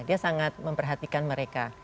dia sangat memperhatikan mereka